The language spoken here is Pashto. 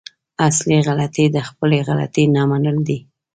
اصلي غلطي د خپلې غلطي نه منل دي.